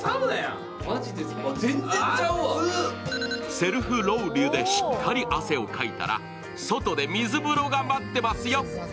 セルフロウリュでしっかり汗をかいたら外で水風呂が待ってますよ。